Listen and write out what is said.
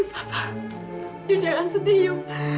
papa you jangan setia